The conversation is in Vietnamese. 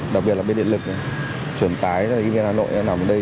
đặc biệt là bên địa lực này chuyển tái ra đến việt nam nội nằm ở đây